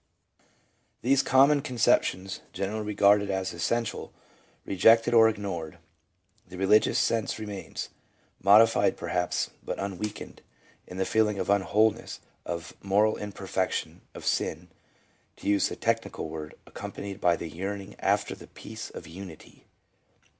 These common conceptions — generally regarded as essential — rejected or ignored, the religious sense remains, modified per haps but unweakened, in the feeling ofunwholeness, of moral imperfection, of sin, to use the technical word, accompanied by the yearning after the peace of unity.